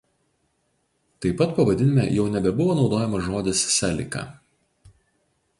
Taip pat pavadinime jau nebebuvo naudojamas žodis "Celica".